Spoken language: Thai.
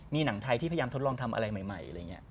มีหนังไทยที่พยายามทดลองทำอะไรใหม่